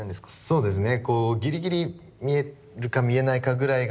そうですね。